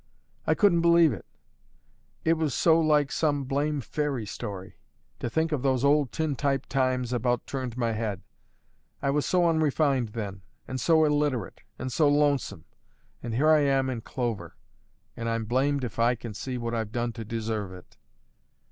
I couldn't believe it; it was so like some blame' fairy story. To think of those old tin type times about turned my head; I was so unrefined then, and so illiterate, and so lonesome; and here I am in clover, and I'm blamed if I can see what I've done to deserve it."